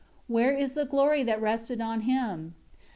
Where is the glory that rested on him?